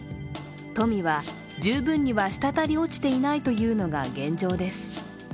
富は、十分にはしたたり落ちていないというのが現状です。